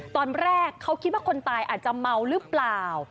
ตอนแรกเขาคิดว่าคนตายอาจจะเมาหรือเปล่า